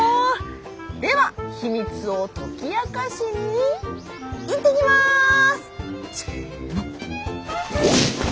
では秘密を解き明かしに行ってきます！せの。